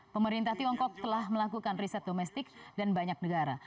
pemerintah tiongkok telah melakukan riset domestik dan banyak negara